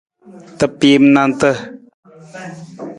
Tapiim nanta.